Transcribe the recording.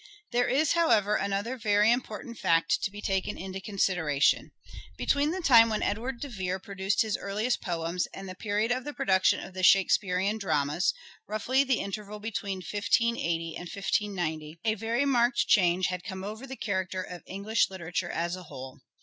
There is, however, another very important fact to Great be taken into consideration. Between the time when literarx ,_,,.._,,,.,. transition. Edward de Vere produced his earliest poems and the period of the production of the Shakespearean dramas (roughly the interval between 1580 and 1590), a very 160 " SHAKESPEARE " IDENTIFIED marked change had come over the character of English literature as a whole.